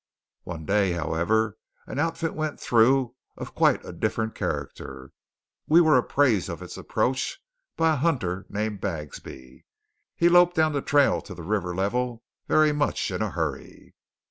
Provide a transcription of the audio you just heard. One day, however, an outfit went through of quite a different character. We were apprised of its approach by a hunter named Bagsby. He loped down the trail to the river level very much in a hurry.